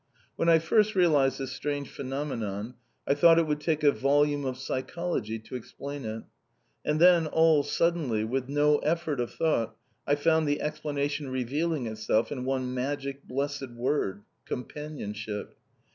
When I first realised this strange phenomenon I thought it would take a volume of psychology to explain it. And then, all suddenly, with no effort of thought, I found the explanation revealing itself in one magic blessed word, _Companionship.